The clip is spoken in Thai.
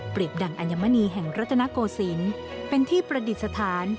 เปรียบดังอัญมณีแห่งรัตนโกศินเป็นที่ประดิษฐาน